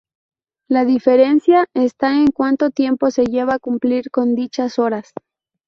La diferencia está en cuanto tiempo se lleva cumplir con dichas horas.